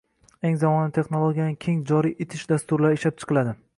eng zamonaviy texnologiyalarni keng joriy etish dasturlari ishlab chiqiladi